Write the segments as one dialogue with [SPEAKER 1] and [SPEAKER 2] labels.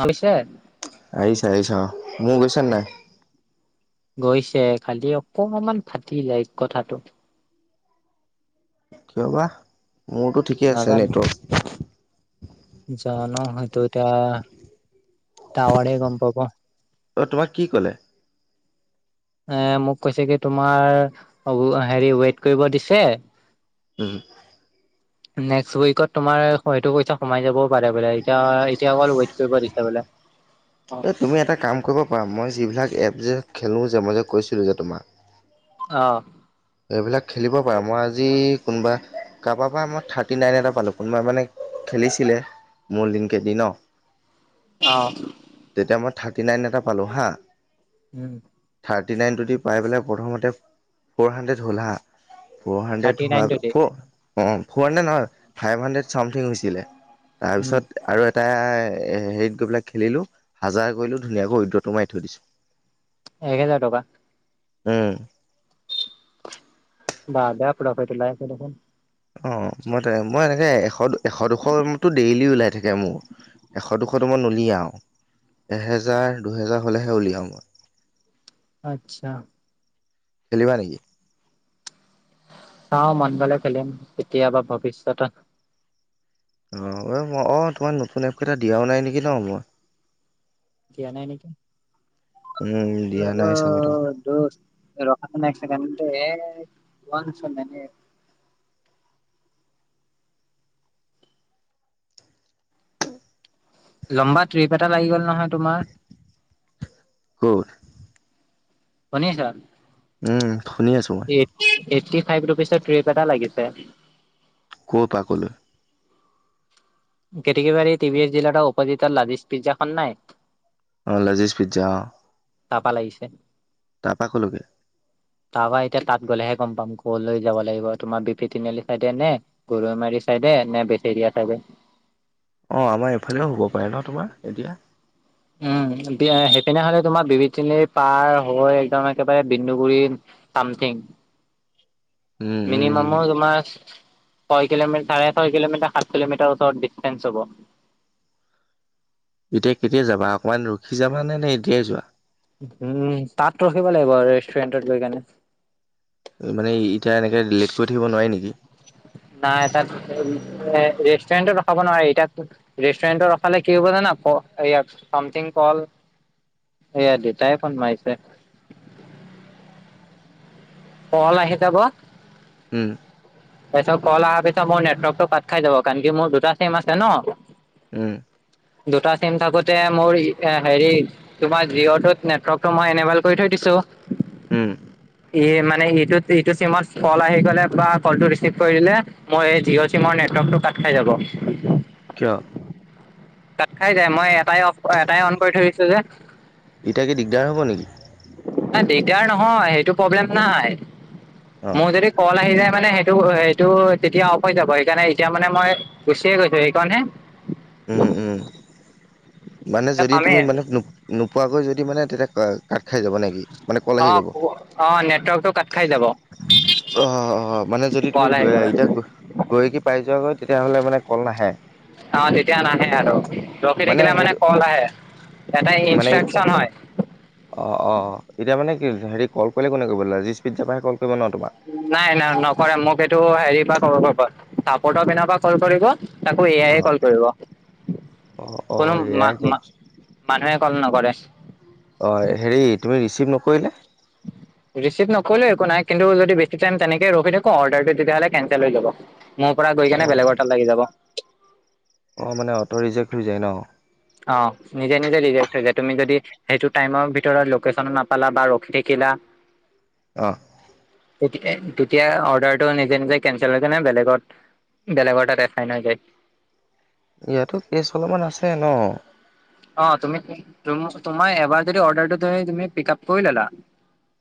[SPEAKER 1] আমিছে
[SPEAKER 2] আহিছা-আহিছা অ, মোৰ গৈছে নাই?
[SPEAKER 1] গৈছে খালি অকমান মান ফাটি যায় কথাটো।
[SPEAKER 2] কিয় বা মোৰতো ঠিকে আছে
[SPEAKER 1] নাজানো
[SPEAKER 2] নেটৱৰ্ক।
[SPEAKER 1] জানো হয় ত' এতিয়া টাৱাৰে গম পাব।
[SPEAKER 2] অ', তোমাক কি কলে?
[SPEAKER 1] এ মোক কৈছে কি তোমাৰ হেৰি ৱেইট কৰিব দিছে
[SPEAKER 2] [inaudible]
[SPEAKER 1] নেক্সট ৱিকত তোমাৰ হয়তো পইচা সোমাই যাব। পাৰে বোলে এতিয়া, এতিয়া অকল ৱেইট কৰিব দিছে বোলে। অ
[SPEAKER 2] এই তুমি এটা কাম কৰিব পাৰা মই যিবিলাক এপ যে খেলোঁ যে মই যে কৈছিলোঁ যে তোমাক।
[SPEAKER 1] অ'।
[SPEAKER 2] এইবিলাক খেলিব পাৰা মই আজি কোনোবা কাৰোবাৰ পৰা মই থাৰ্টি নাইন এটা পালোঁ কোনোবা মানে খেলিছিলে মোৰ লিংকে দি ন।
[SPEAKER 1] অ'।
[SPEAKER 2] তেতিয়া মই থাৰ্টি নাইন এটা পালো হা
[SPEAKER 1] উম।
[SPEAKER 2] থাৰ্টি নাইনটোদি পাই পেলাই প্ৰথমতে ফ'ৰ হাণ্ড্ৰেড হ'ল হা ফ'ৰ
[SPEAKER 1] থাৰ্টি
[SPEAKER 2] হাণ্ড্ৰেড হোৱা
[SPEAKER 1] nine twenty
[SPEAKER 2] four' four hundred নহয় ফাইভ হাণ্ড্ৰেড চামথিং হৈছিলে,
[SPEAKER 1] উম
[SPEAKER 2] তাৰপিছত আৰু এটা হেৰিত গৈবিলাক খেলিলো হাজাৰ কৰিলো ধনীয়াকৈ উইদ্ৰটো মাৰি থৈ দিছো।
[SPEAKER 1] এক হেজাৰ টকা।
[SPEAKER 2] উম।
[SPEAKER 1] বা আগাৰ প্ৰফিট ওলাই আছে দেখোন
[SPEAKER 2] অহ', মই মই এনেকে এশ এশ দুশ ডেইলি ওলাই থাকে মোৰ। এশ দুশটো মই নোলিয়াও আৰু। এহেজাৰ দুহেজাৰ হলেহে উলিয়াও মই।
[SPEAKER 1] আচ্ছা।
[SPEAKER 2] খেলিবা নেকি?
[SPEAKER 1] চাওঁ মন গলে খেলিম কেতিয়াবা ভৱিষ্যতত।
[SPEAKER 2] অ', ম অহ', তোমাৰ নতুন এপ কেইটা দিয়াও নাই নেকি ন' মই?
[SPEAKER 1] দিয়া নাই নেকি
[SPEAKER 2] উম, দিয়া
[SPEAKER 1] চেলা
[SPEAKER 2] নাই চাগে ত
[SPEAKER 1] টো ৰখা চোন এক ছেকেণ্ড চোন টো এ লম্বা ট্ৰিপ এটা লাগি গ'ল নহয় তোমাৰ
[SPEAKER 2] কত
[SPEAKER 1] শুনিছ
[SPEAKER 2] উম শুনি আছোঁ মই
[SPEAKER 1] এই এইট্ৰি ফাইভ ৰুপিচৰ ট্ৰিপ এটা লাগিছে
[SPEAKER 2] ক' পা ক'লৈ
[SPEAKER 1] কেটেকিবাৰী টি ভি এচ ডিলাৰ ওপজিত লাদিচ পিজ্জা খন নাই
[SPEAKER 2] অহ লজিজ পিজ্জা অহ
[SPEAKER 1] তাৰপা লাগিছে
[SPEAKER 2] তাৰপৰা কলৈকে
[SPEAKER 1] তাৰপৰা এতিয়া তাত গ'লেহে গম পাম ক'লৈ যাব লাগিব তোমাৰ বি পি তিনিআলি চাইডে নে গৌৰিমাৰী চাইডে নে বেটেৰিয়া চাইডে
[SPEAKER 2] অহ আমাৰ এইফালেও হব পাৰে ন তোমাৰ এতিয়া
[SPEAKER 1] উম দিয়া সেই পিনে হলে তোমাৰ বিবিধ তিনিআলিৰ পাৰ হৈ একদম একেবাৰে বিন্দুগুৰি চামথিং
[SPEAKER 2] উম, উম।
[SPEAKER 1] মিনিমাম মোৰ তোমাৰ ছয় কিলোমিটাৰ চাৰে ছয় কিলোমিটাৰ সাত কিলোমিটাৰ ওচৰত ডিচন্সেট হ'ব
[SPEAKER 2] এতিয়া কেতিয়া যাবা অকণমান ৰখি যাবা নে নে এতিয়াই যোৱা
[SPEAKER 1] উম তাত ৰখিব লাগিব ৰেষ্টুৰেণ্টত গৈ কেনে
[SPEAKER 2] মানে এতিয়া এনেকে ডিলিট কৰি থাকিব নোৱাৰি নেকি
[SPEAKER 1] নাই তাত ৰেষ্টুৰেণ্টত ৰখাব নোৱাৰে এতিয়া ৰেষ্টুৰেন্টত ৰখালে কি হ'ব জানা ফ এয়া চাম থিং কল এয়া দেউতাই ফোন মাৰিছে কল আহি যাব
[SPEAKER 2] উম
[SPEAKER 1] তাৰপিছত কল অহাৰ পিছত মোৰ নেটৱৰ্ক টো কাট খাই যাব কাৰন কি মোৰ দুটা চিম আছে ন
[SPEAKER 2] উম
[SPEAKER 1] দুটা চিম থাকোঁতে মোৰ হেৰি তোমাৰ জিঅ তো নেটৰ্কটো মই এনেব্ৰেল কৰি থৈ দিছো
[SPEAKER 2] উম
[SPEAKER 1] ই মানে ইটোত ইটো চিমত কল আহি গ'লে বা কলটো ৰিচিভ কৰিলে মই এই জিঅ' চিমৰ নেটৱৰ্কটো কাট খাই যাব
[SPEAKER 2] কিয়
[SPEAKER 1] কাট খাই যায় মই এটাই অফ এটাই অন কৰি থৈ দিছো যে
[SPEAKER 2] এতিয়া কি দিগদাৰ হ'ব নেকি
[SPEAKER 1] নাই দিগদাৰ নহয় সেইটো প্ৰব্লেম নাই
[SPEAKER 2] অ
[SPEAKER 1] মোৰ যদি কল আহি যায় মানে সেইটো সেইটো তেতিয়া অফ হৈ যাব সেইকাৰণে এতিয়া মানে মই গুছিয়ে গৈছে সেই কাৰণে
[SPEAKER 2] উম উম, মানে
[SPEAKER 1] এ
[SPEAKER 2] যদি তুমি
[SPEAKER 1] পামেই
[SPEAKER 2] মানে নোপ- নোপোৱাকৈ যদি মানে তেতিয়া কা কাট খাই যাব নেকি মানে কল
[SPEAKER 1] অ
[SPEAKER 2] আহি যাব
[SPEAKER 1] অ নেটৱৰ্কটো কাট খাই যাব
[SPEAKER 2] অ', অ', মানে যদি তুমি
[SPEAKER 1] কল আহি
[SPEAKER 2] গৈ আ,
[SPEAKER 1] গ'লে
[SPEAKER 2] এতিয়া গ গৈ কি পাই যোৱাগৈ তেতিয়াহ'লে মানে কল নাহে।
[SPEAKER 1] অ', তেতিয়া নাহে আৰু ৰখি থাকিলে মানে কল আহে, এটা
[SPEAKER 2] মানে
[SPEAKER 1] ইনষ্ট্ৰাকচন হয়।
[SPEAKER 2] অ', অ', অ', এতিয়া মানে কি হেৰি কল কৰিলে কোনে কৰিব লেজিস্পীটছৰ পাহে কল কৰিব ন তোমাক?
[SPEAKER 1] নাই নাই নকৰে মোক সেইটো হেৰি পৰা কল কৰিব [unintelligible] পিনৰ পৰা কল কৰিব। তাকো এ আই
[SPEAKER 2] অ
[SPEAKER 1] এ কল কৰিব
[SPEAKER 2] অ অ
[SPEAKER 1] কোনো মা
[SPEAKER 2] এয়াই গ'ল
[SPEAKER 1] মা মানুহে কল নকৰে।
[SPEAKER 2] অ', হেৰি তুমি ৰিচিভ নকৰিলে? [inaudible]
[SPEAKER 1] ৰিচিভ নকৰিলেও একো নাই কিন্তু যদি বেছি টাইম তেনেকে ৰখি থাকো অৰ্ডাৰটো তেতিয়াহ'লে কেনঞ্চেল হৈ যাব। মোৰ পৰা গৈ কেনে
[SPEAKER 2] অ
[SPEAKER 1] বেলেগৰ তাত লাগি যাব।
[SPEAKER 2] অ', মানে অট' ৰিজেক্ট হৈ যায় ন?
[SPEAKER 1] অ', নিজে নিজে ৰিজেক্ট হৈ যায়, তুমি যদি সেইটো টাইমৰ ভিতৰত লোকেশ্যন নাপালা বা ৰখি থাকিলা।
[SPEAKER 2] অ'।
[SPEAKER 1] [unintelligible] তেতিয়া অৰ্ডাৰটো নিজে নিজে কেনচেল হয় কেনে বেলেগত বেলেগৰ তাত এচাইন হৈ যায়।
[SPEAKER 2] ইয়াতো কেচ অলপমান আছে ন?
[SPEAKER 1] অ', তুমি তুম তোমাৰ এবাৰ যদি অৰ্ডাৰটো তুমি তুমি পিক আপ কৰি ললা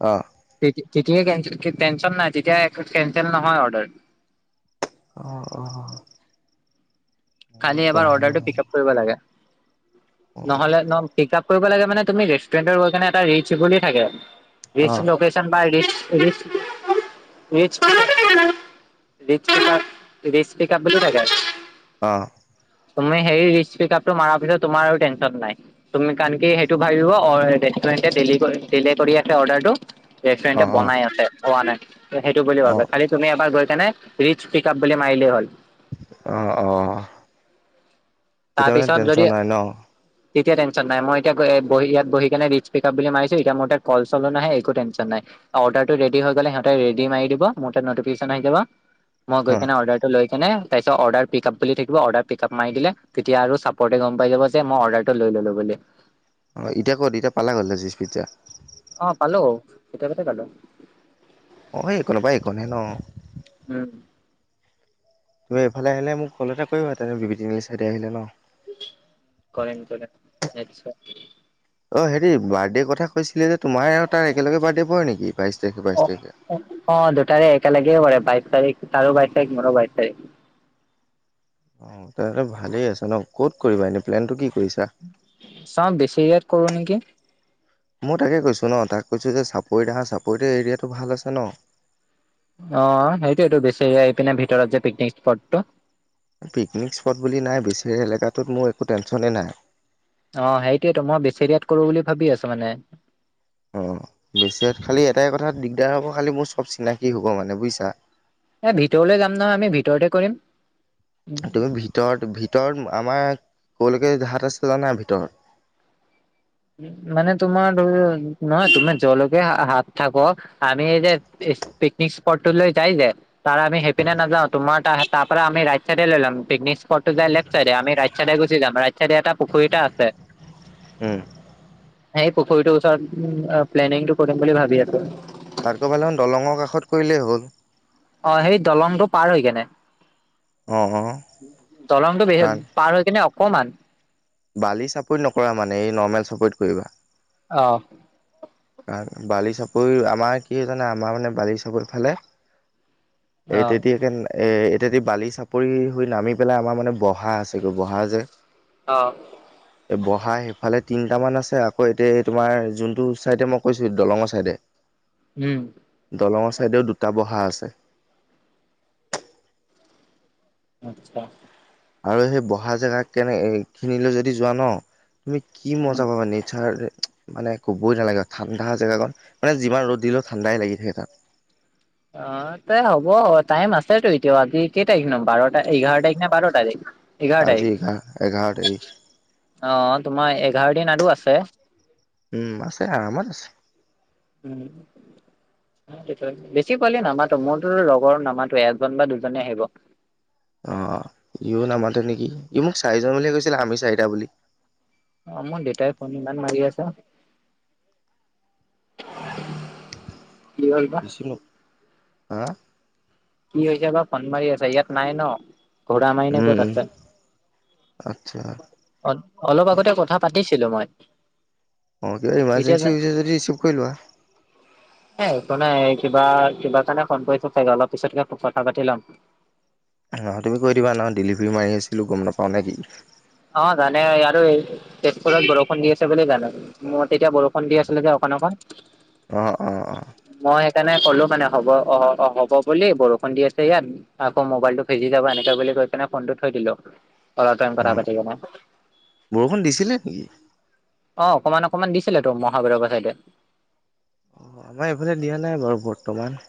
[SPEAKER 2] অ'।
[SPEAKER 1] তেতি তেতিয়া কেনঞ্চ [unintelligible] টেনচন নাই তেতিয়া এ কেনঞ্চেল নহয় অৰ্ডাৰ।
[SPEAKER 2] অ', অ'।
[SPEAKER 1] কালি এবাৰ
[SPEAKER 2] এনেকুৱাহে ন
[SPEAKER 1] অৰ্ডাৰটো পিক আপ কৰিব লাগে,
[SPEAKER 2] অ
[SPEAKER 1] নহ'লে নম পিক আপ কৰিব লাগে মানে তুমি ৰেষ্টুৰেন্টত গৈ কেনে এটা ৰিটচ বুলি থাকে।
[SPEAKER 2] অ
[SPEAKER 1] ৰিটচ লোকেশ্য [unintelligible] ৰিটচ ৰিটচ পিকাপ ৰিটচ পিকাপ বুলি থাকে।
[SPEAKER 2] অ'।
[SPEAKER 1] তুমি হেৰি ৰিটচ পিক আপটো মাৰা পিছত তোমাৰ আৰু টেনচন নাই। তুমি কাৰণ কি সেইটো ভাবিব অ', ৰেষ্টুৰেণ্টে ডেলি কৰি ডিলে কৰি আছে অৰ্ডাৰটো। ৰেষ্টুৰেণ্টে বনাই আছে, হোৱা নাই ত' সেইটো বুলি
[SPEAKER 2] অ অ
[SPEAKER 1] ভাবে খালি তুমি এবাৰ গৈ কেনে ৰিস্ক পিক আপ বুলি মাৰিলে হ'ল।
[SPEAKER 2] অ', অ'। তেতিয়া মানে
[SPEAKER 1] তাৰপিছত
[SPEAKER 2] টেনচন
[SPEAKER 1] যদি
[SPEAKER 2] নাই ন
[SPEAKER 1] তেতিয়া টেনচন নাই মই এতিয়া এ বহি ইয়াত বহি কেনে ৰিটচ পিক আপ বুলি মাৰিছো এতিয়া মোৰ তাত কল চলো নাহে একো টেনচন নাই। অৰ্ডাৰটো ৰেডি হৈ গলে সিহঁতে ৰেডি মাৰি দিব মোৰ তাত নটিফিকেশ্যন আহি যাব। মই
[SPEAKER 2] অ
[SPEAKER 1] গৈ কেনে অৰ্ডাৰটো লৈ কেনে তাৰিছত অৰ্ডাৰ পিক আপ বুলি থাকিব অৰ্ডাৰ পিক আপ মাৰি দিলে তেতিয়া আৰু চাপৰ্টে গম পাই যাব যে মই অৰ্ডাৰটো লৈ ল'লো বুলি।
[SPEAKER 2] অ', এতিয়া ক'ত, এতিয়া পালা ক'ত লেজিছ পিজ্জা?
[SPEAKER 1] অ', পালো কেতিয়াবাতে পালো।
[SPEAKER 2] অ', সেই একন পা সেই কন হে ন
[SPEAKER 1] উম।
[SPEAKER 2] তুমি এইফালে আহিলে মোক কল এটা কৰিবা তেনে বিবি তিনিআলি চাইডে আহিলে ন।
[SPEAKER 1] কৰিম কৰিম নিশ্চয়।
[SPEAKER 2] অ হেৰি বাৰ্থডে কথা কৈছিলে যে তোমাৰ আৰু তাৰ একেলগ বাৰ্থডে পৰে নেকি বাইশ তাৰিখে
[SPEAKER 1] অ
[SPEAKER 2] বাইশ তাৰিখে
[SPEAKER 1] অ দুটাৰে একেলগে কৰে বাইশ তাৰিখ তাৰো বাইছ তাৰিখ মোৰো বাইশ তাৰিখ
[SPEAKER 2] অ তেনতে ভালেই আছ ন ক'ত কৰিবা এনে প্লেনটো কি কৰিছা।
[SPEAKER 1] চওঁ বেছি ইয়াত কৰো নেকি?
[SPEAKER 2] মই তাকে কৈছোঁ ন তাক কৈছো যে চাপৰিত আহা চাপৰিটো এৰিয়াটো ভাল আছে ন
[SPEAKER 1] অ সেইটোয়টো বেছি আহি পিনে ভিতৰত যে পিকনিক স্পটটো
[SPEAKER 2] পিকনিক স্পট বুলি নাই বেছি এলেকাটোত মোৰ একো টেনশ্যনেই নাই।
[SPEAKER 1] অ সেইটোয়েতো মই বেচি দয়াত কৰো বুলি ভাবি আছো মানে
[SPEAKER 2] অ বেছি খালি এটাই কথাত দিগদাৰ হ'ব খালি মোৰ চব চিনাকি হ'ব মানে বুজিছা।
[SPEAKER 1] এ ভিতৰলৈ যাম নহয় আমি ভিতৰতে কৰিম।
[SPEAKER 2] তুমি ভিতৰত ভিতৰত আমাৰ ক'লৈকে জাট আছে জোৱানাই ভিতৰত-
[SPEAKER 1] উ মানে তোমাৰ দৰিল নহয় তুমি জলকে হাত থাক আমি এ যে পিকনিক স্পট লৈ যাই যে তাৰ আমি সেইপিনে নাযাওঁ তোমাৰ তাৰ ত পৰা আমি ৰাাত চাইডে লৈ লাম পিকনিক স্পটটো যাই লে্টাইড আম ৰাাই চাইড গুচি যাম ৰা ৰাজ চাইড এটা পুখুৰীটা আছে।
[SPEAKER 2] উম
[SPEAKER 1] সেই পুখুৰীটো ওচ প্লেনিং টো কৰিম বুলি ভাবি আছো।
[SPEAKER 2] তাতকৈ ভাল খন দলঙৰ কাষত কৰিলেই হ'ল
[SPEAKER 1] অ সেই দলংটো পাৰ হৈ কেনে।
[SPEAKER 2] অ অ
[SPEAKER 1] দলংটো বে
[SPEAKER 2] কাৰণ
[SPEAKER 1] পাৰ হৈ কিনে অকমান
[SPEAKER 2] বালি চাপৰ্ট নকৰা মানে এই নৰ্মেল চাপৰ্ট কৰিবা
[SPEAKER 1] অ
[SPEAKER 2] কাৰ বালি চাপৰি আমাৰ কি জানে আমাৰ মানে বালি চাপৰ ফালে এই
[SPEAKER 1] অ
[SPEAKER 2] ইটাইতিয়াকন এই এতিয়া বালি চাপৰি হৈ নামি পেলাই আমাৰ মানে বহা আছেগৈ বহা যে।
[SPEAKER 1] অ
[SPEAKER 2] বহা সেইফালে তিনটা মান আছে আকৌ এতিয়া তোমাৰ যোনটো চাইডে মই কৈছোঁ দলঙৰ ছাইডে
[SPEAKER 1] ওম
[SPEAKER 2] দলঙৰ ছাইদেও দুটা বহা আছে
[SPEAKER 1] ইচ্ছা
[SPEAKER 2] আৰু সেই বহা জেগা কেনে খিনিলৈ যদি যোৱা ন তুমি কি
[SPEAKER 1] উম
[SPEAKER 2] মজা পাবা নেচাৰ মানে ক'বই নালাগে ঠাণ্ডা জেগাকন মান যিমান ৰ'দ দিলে ঠাণ্ডাই লাগি থাক তাত
[SPEAKER 1] অ ত হ'ব টাইম আছেতো এতিয়া আজি কেই তাৰিখ ন বাৰটা এঘাৰ তাৰিখ নে বাৰ তাৰিখ এঘাৰ
[SPEAKER 2] আজি
[SPEAKER 1] তাৰিখ
[SPEAKER 2] এঘাৰ এঘাৰ তাৰিখ
[SPEAKER 1] অ তোমাৰ এঘাৰ দিন আৰু আছে।
[SPEAKER 2] উম আছে আৰামত আছে।
[SPEAKER 1] উম বেছি পোৱালে নামাতো মোৰতো লগৰ নামাতো এজন বা দুজনে আহিব।
[SPEAKER 2] অ ইও নামাতে নেকি ই মোক চাৰিজন বুলিয়ে কৈছিলে আমি চাৰিটা বুলি
[SPEAKER 1] অ মোৰ দেউতাই ফোন ইমান মাৰি আছে। কি হ'ল বা
[SPEAKER 2] চ হা
[SPEAKER 1] কি হৈছে বা ফন মাৰি আছা ইয়াত নাই ন ঘৰা মাই ন
[SPEAKER 2] উম
[SPEAKER 1] ক'ত
[SPEAKER 2] উম
[SPEAKER 1] আছে
[SPEAKER 2] আচ্ছা
[SPEAKER 1] অ অলপ আগতে কথা পাতিছিলো মই
[SPEAKER 2] অ কিবা
[SPEAKER 1] এতিয়া
[SPEAKER 2] ইমাৰজেঞ্চি হৈছে যদি ৰিচিভ কৰি লোৱা
[SPEAKER 1] এ একো নাই কিবা কিবা কাৰণে ফোন কৰিছো চাগে অলপ পিছতকে কথা পাতি ল'ম
[SPEAKER 2] নহয় তুমি কৈ দিবা নহয় ডেলিভাৰী মাৰি আছিলো গম নাপাওঁ নে কি
[SPEAKER 1] অ জানে এয়াটো তেজপুৰত বৰষুণ দি আছে বুলি জানে মুৰত এতিয়া বৰষুণ দি আছিলে যে অকণ অকণ
[SPEAKER 2] অহ অহ
[SPEAKER 1] মই সেইকাৰণে ক'লো মানে হ'ব অ অ হ'ব বুলি বৰষুণ দি আছে ইয়াত আকৌ মোবাইলটো ফিজি যাব এনেকে বুলি কৈ পিনে ফোনটো থৈ দিলো অলপ টাইম
[SPEAKER 2] অ
[SPEAKER 1] কথা পাতি কিনে
[SPEAKER 2] বৰষুণ দিছিলে নেকি
[SPEAKER 1] অ অকমান অকনমান দিছিলে তো মহাবৈৰৱৰ চাইদে
[SPEAKER 2] অ আমাৰ এইফালে দিয়া নাই বাৰু বৰ্তমান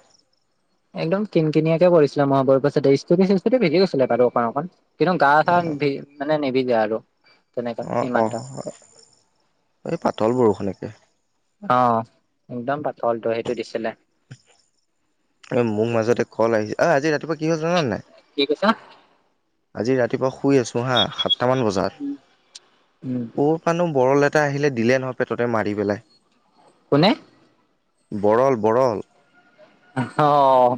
[SPEAKER 1] একদম কিন কিনিয়াকে পৰিছিলে আমাৰ বৰো পাছত স্কুটি চিচকুটি ভিজি গৈছিলে বাৰু অকণ অকণ কিন্তু গা চা মানে নিবিদে আৰু তেনেকা
[SPEAKER 2] অ অ
[SPEAKER 1] ইমানটা
[SPEAKER 2] এই পাতল বৰষুণ একে
[SPEAKER 1] অ একদম পাতলটো সেইটো দিছিলে
[SPEAKER 2] এ মোৰ মাজতে কল আহিছে ঐ আজি ৰাতিপুৱা কি হল জানে নে নাই
[SPEAKER 1] কি কৈছা
[SPEAKER 2] আজি ৰাতিপুৱা শুই আছো হা সাতটামান বজাত
[SPEAKER 1] উম
[SPEAKER 2] ও কপানো বৰল এটা আহিলে দিলে নহয় পেটতে মাৰি পেলাই
[SPEAKER 1] কোনে
[SPEAKER 2] বৰল বৰল
[SPEAKER 1] অ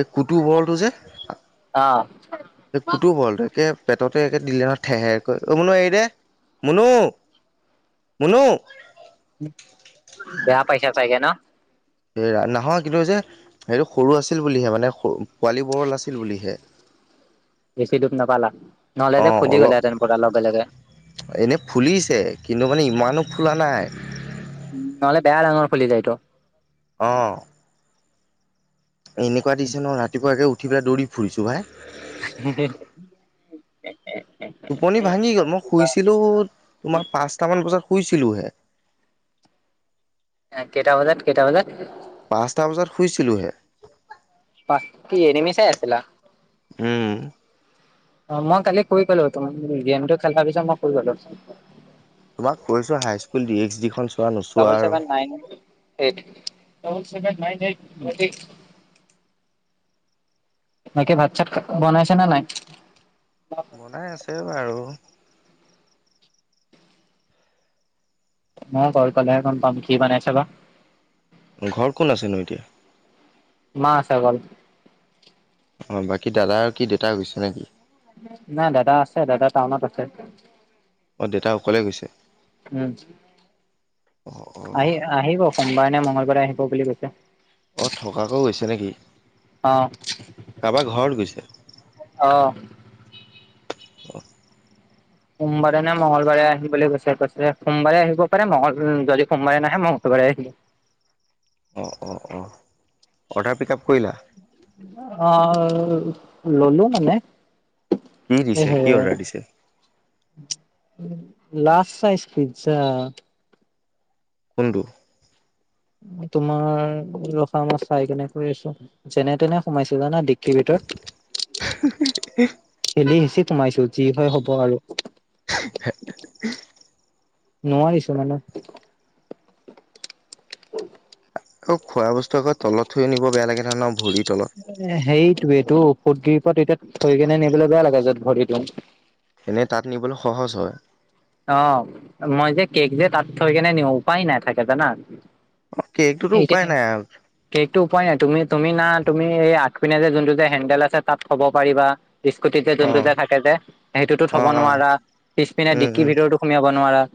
[SPEAKER 2] এই কুতু বৰলটো যে
[SPEAKER 1] অ
[SPEAKER 2] এই কুতো বৰলটোৱে একে পেটতে একে দিলে নহয় ঠেহেৰ কৈ অ' মুনু এৰি দে মুনু মুনু
[SPEAKER 1] বেয়া পইচা চাগে ন
[SPEAKER 2] হেৰা নহয় কিন্তু যে সেইটো সৰু আছিল বুলিহে মানে পোৱালী বৰল আছিল বুলিহে
[SPEAKER 1] বেছি দুখ নাপালা নহলে যে ফুলি গলেহেঁতেন পৰা লগে লগে
[SPEAKER 2] এনেই ফুলিছে কিন্তু মানে ইমানো ফুলা নাই
[SPEAKER 1] উম নহ'লে বেয়া ডাঙৰ ফুলি যায়টো
[SPEAKER 2] অ' এনেকুৱা দিছে ন ৰাতিপুৱা একে উঠি পেলায় দৌৰি ফুৰিছোঁ ভাই
[SPEAKER 1] হে হে
[SPEAKER 2] টোপনি ভাঙি গ'ল মই শুইছিলো তোমাৰ পাঁচটা মান বজাত শুইছিলো হে
[SPEAKER 1] কেইটা বজাত কেইটা বজাত
[SPEAKER 2] পাঁচটা বজাত শুইছিলোঁ হে
[SPEAKER 1] পাচ কি এনিমি চাই আছিলা?
[SPEAKER 2] উম
[SPEAKER 1] অ' মই কালি শুই গলো গেম টো খেল পিছত মই শুই গলো
[SPEAKER 2] তোমাক কৈছো high school D H D খন চোৱা
[SPEAKER 1] ডাবল
[SPEAKER 2] নোচোৱা আৰু
[SPEAKER 1] seven nine eight double seven nine eight বাকী ভাত চাত বনাইছে নে নাই
[SPEAKER 2] বনাই আছে আৰু
[SPEAKER 1] মই তাত গলে পালে গম কি বনাইছে বা
[SPEAKER 2] ঘৰত কোন আছেনো এতিয়া
[SPEAKER 1] মা আছে অকল
[SPEAKER 2] অ' বাকী দাদা আৰু কি দেউতা গৈছে নেকি
[SPEAKER 1] নাই দাদা আছে দাদা টাউনত আছে
[SPEAKER 2] অ' দেউতা অকলে গৈছে
[SPEAKER 1] উম
[SPEAKER 2] অ অ
[SPEAKER 1] আহি আহিব সোমবাৰে নে মঙ্গলবাৰে আহিব বুলি কৈছে
[SPEAKER 2] অ' থকাকৈ গৈছে নেকি
[SPEAKER 1] অ
[SPEAKER 2] কাৰোবাৰ ঘৰত গৈছে
[SPEAKER 1] অ'
[SPEAKER 2] [inaudible]
[SPEAKER 1] সোমবাৰে না মঙ্গলবাৰে আহিবলৈ গৈছে কৈছে সোমবাৰে আহিব পাৰে মংগল যদি সোমবাৰে নাহে মঙ্গলবাৰে আহিব
[SPEAKER 2] অ' অ' অ' অৰ্ডাৰ পিক আপ কৰিলা
[SPEAKER 1] অ' ললো মানে
[SPEAKER 2] কি দিছে
[SPEAKER 1] সেহে
[SPEAKER 2] কি অৰ্ডাৰ দিছে
[SPEAKER 1] লাৰ্জ চাইজ পিজ্জা
[SPEAKER 2] কোনটো
[SPEAKER 1] তোমাৰ ৰখা মই চাই কেনে কৰি আছো যেনে তেনে সোমাইছিল জানা ক্ৰিকেটত, ঠেলি হেঁচি সোমাইছিল। যি হয় হব আৰু নোৱাৰিছো মানে [inaudible]
[SPEAKER 2] আকৌ খোৱা বস্তু আকৌ তলত থৈ আনিব বেয়া লাগে ন ভৰিৰ তলত
[SPEAKER 1] এ সেইটোয় এইটো ফুগ্ৰিফত এতিয়া থৈ কেনে নিবলৈ বেয়া লাগে যত ভৰিটো
[SPEAKER 2] এনেই তাত নিবলৈ সহজ হয়
[SPEAKER 1] অ' মই যে কেক যে তাত থৈ কেনে নিওঁ উপায় নাই থাকে জানা
[SPEAKER 2] অ' কেকটোতো উপায়
[SPEAKER 1] এতিয়া
[SPEAKER 2] নাই আৰু
[SPEAKER 1] কেকটো উপায় নাই তুমি তুমি না তুমি এই আগ পিনে যে যোনটো যে হেণ্ডেল আছে তাত থব পাৰিবা স্কুটি যে
[SPEAKER 2] অ
[SPEAKER 1] যোনটো যে থাকে যে সেইটোতো থব
[SPEAKER 2] অ অ
[SPEAKER 1] নোৱাৰা পিছপিনে
[SPEAKER 2] উম উম
[SPEAKER 1] টো সুমিৱাব নোৱাৰা